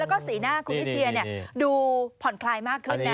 แล้วก็สีหน้าคุณวิเชียดูผ่อนคลายมากขึ้นนะ